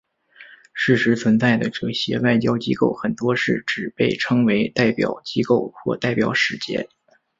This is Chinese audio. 事实存在的这些外交机构很多是只被称为代表机构或代表使节。